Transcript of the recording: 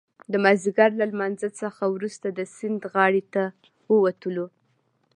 د مازدیګر له لمانځه څخه وروسته د سیند غاړې ته ووتلو.